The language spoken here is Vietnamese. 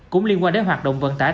cũng liên quan đến hoạt động vận tải